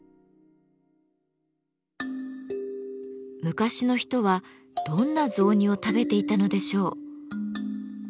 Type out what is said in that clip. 昔の人はどんな雑煮を食べていたのでしょう。